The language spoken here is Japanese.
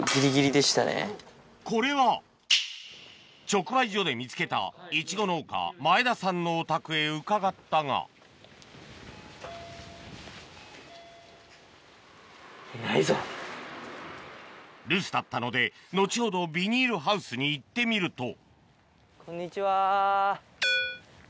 これは直売所で見つけたイチゴ農家前田さんのお宅へ伺ったが留守だったので後ほどビニールハウスに行ってみるとこんにちは。